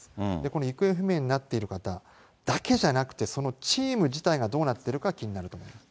この行方不明になっている方だけじゃなくて、そのチーム自体がどうなっているか、気になるところです。